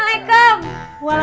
pak dipanggilin sama emak